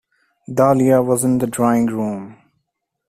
Dahlia was in the drawing-room.